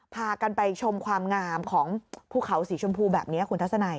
พากันไปชมความงามของภูเขาสีชมพูแบบนี้คุณทัศนัย